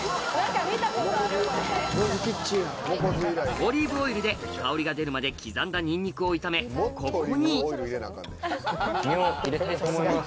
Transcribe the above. オリーブオイルで香りが出るまで刻んだニンニクを炒めここに身を入れたいと思います。